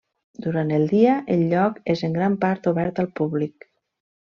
Durant el dia, el lloc és en gran part obert al públic.